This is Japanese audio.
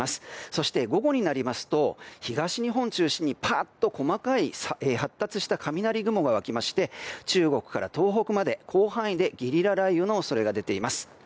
そして午後になりますと東日本を中心に細かい発達した雷雲が湧きまして中国から東北まで広範囲でゲリラ雷雨の恐れが出ています。